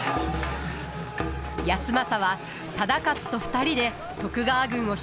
康政は忠勝と２人で徳川軍を引っ張ります。